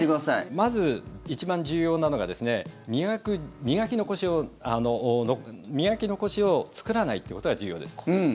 まず一番重要なのが磨き残しを作らないということが重要です。